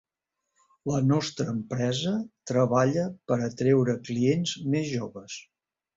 La nostra empresa treballa per atraure clients més joves.